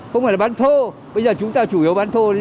không phải là bán thô bây giờ chúng ta chủ yếu bán thô đi